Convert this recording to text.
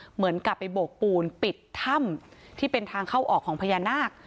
เหมือนกับไปโบกปูนปิดถ้ำที่เป็นทางเข้าออกของพญานาค